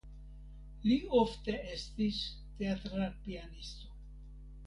Li ofte estis teatra pianisto.